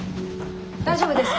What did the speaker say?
大丈夫ですか。